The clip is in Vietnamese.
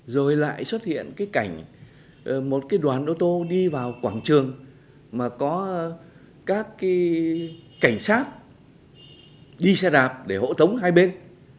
rồi lại xuất hiện cái cảnh một cái đoàn ô tô đi vào quảng trường mà có các cái cảnh sát đi xe đạp để hộ tống hai bên